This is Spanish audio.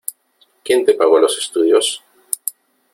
¿Quién te pagó los estudios?